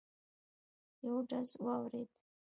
یو ډز واورېد.